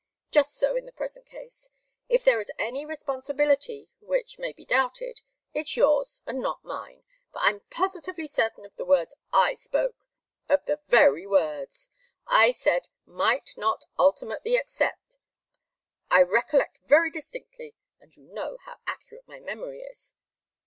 Just so in the present case. If there is any responsibility, which may be doubted, it's yours and not mine, for I'm positively certain of the words I spoke of the very words. I said 'might not ultimately accept' I recollect very distinctly, and you know how accurate my memory is."